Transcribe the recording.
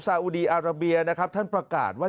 อุดีอาราเบียนะครับท่านประกาศว่า